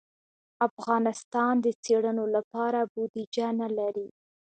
افغانستان د څېړنو لپاره بودیجه نه لري.